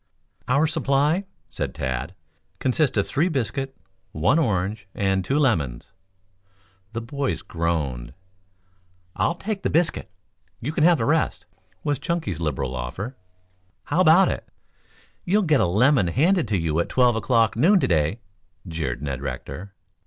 "Our supply," said Tad, "consists of three biscuit, one orange and two lemons." The boys groaned. "I'll take the biscuit. You can have the rest," was Chunky's liberal offer. "How about it?" "You will get a lemon handed to you at twelve o'clock noon to day," jeered Ned Rector.